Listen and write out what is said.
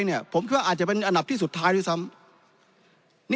เนี่ยผมคิดว่าอาจจะเป็นอันดับที่สุดท้ายที่ซ้ำนี่